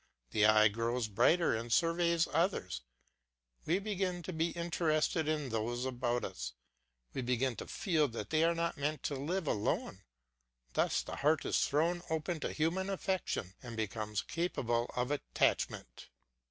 The eye grows brighter and surveys others, we begin to be interested in those about us, we begin to feel that we are not meant to live alone; thus the heart is thrown open to human affection, and becomes capable of attachment.